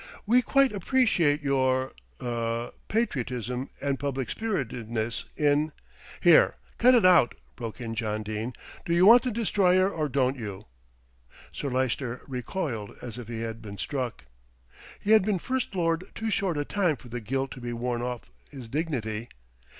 "We quite appreciate your er patriotism and public spiritedness in " "Here, cut it out," broke in John Dene. "Do you want the Destroyer or don't you?" Sir Lyster recoiled as if he had been struck. He had been First Lord too short a time for the gilt to be worn off his dignity.